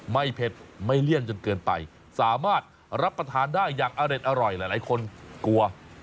เผ็ดไม่เลี่ยงจนเกินไปสามารถรับประทานได้อย่างอเด็ดอร่อยหลายคนกลัว